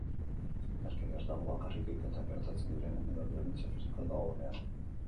Indarkeria ez dago bakarrik hilketak gertatzen direnean edo biolentzia fisikoa dagoenean.